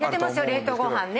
冷凍ご飯ね。